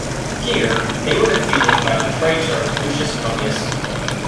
Here they were defeated by the "praetor" Lucius Mummius.